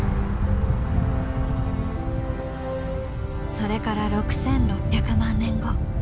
それから６，６００万年後。